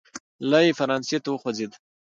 لی فرانسې ته وخوځېد.